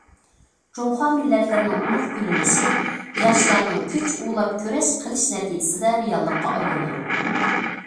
جۇڭخۇا مىللەتلىرىنىڭ ئۇلۇغ گۈللىنىشى ياشلارنىڭ كۈچ ئۇلاپ كۈرەش قىلىش نەتىجىسىدە رېئاللىققا ئايلىنىدۇ.